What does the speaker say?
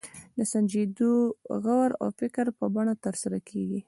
د سنجیده غور او فکر په بڼه ترسره کېږي.